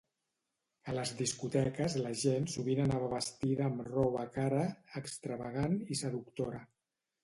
A les discoteques la gent sovint anava vestida amb roba cara, extravagant i seductora.